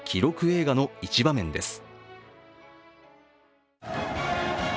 映画の一場面です。